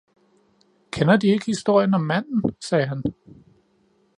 "Kender De ikke Historien om Manden? sagde han."